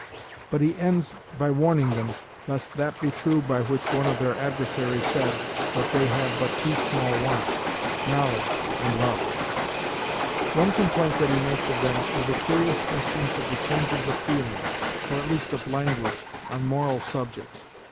But he ends by warning them lest "that be true which one of their adversaries said, that they have but two small wants knowledge and love." One complaint that he makes of them is a curious instance of the changes of feeling, or at least of language, on moral subjects.